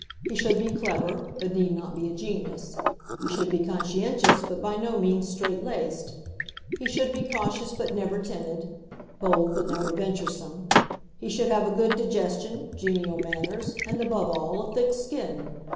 He should be clever but need not be a genius; he should be conscientious but by no means strait laced; he should be cautious but never timid, bold but never venturesome; he should have a good digestion, genial manners, and, above all, a thick skin.